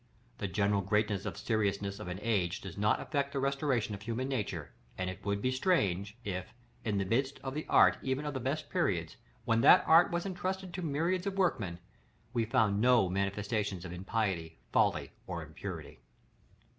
The general greatness of seriousness of an age does not effect the restoration of human nature; and it would be strange, if, in the midst of the art even of the best periods, when that art was entrusted to myriads of workmen, we found no manifestations of impiety, folly, or impurity.